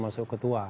jadi kita menemukan